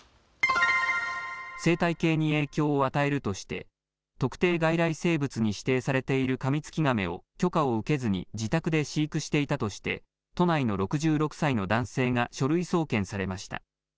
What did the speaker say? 生態系に影響を与えるとして特定外来生物に指定されているカミツキガメを許可を受けずに自宅で飼育していたとして都内の６６歳の男性が書類送検されました。